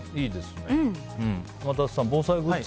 天達さん、防災グッズ